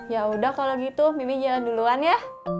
ya udah kalau gitu mibi jalan duluan ya